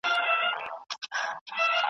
د وطن د اعتلا تږی يم ځکه